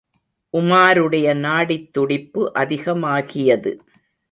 உமாருடைய நாடித்துடிப்பு அதிகமாகியது.